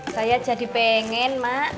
saya jadi pengen mak